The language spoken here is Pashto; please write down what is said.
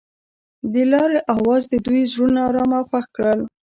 د لاره اواز د دوی زړونه ارامه او خوښ کړل.